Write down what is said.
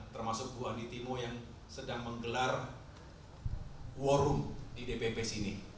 termasuk bu aditino yang sedang menggelar war room di dpp sini